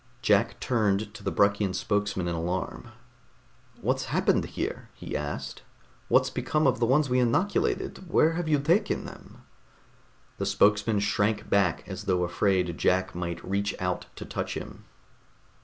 Jack turned to the Bruckian spokesman in alarm. "What's happened here?" he asked. "What's become of the ones we inoculated? Where have you taken them?" The spokesman shrank back as though afraid Jack might reach out to touch him.